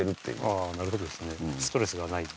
ああなるほどですね。